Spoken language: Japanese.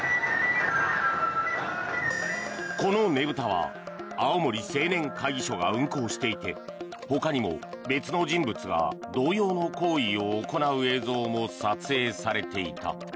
このねぶたは青森青年会議所が運行していてほかにも別の人物が同様の行為を行う映像も撮影されていた。